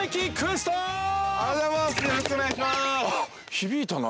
◆響いたな。